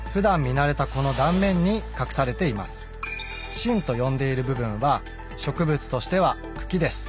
「芯」と呼んでいる部分は植物としては「茎」です。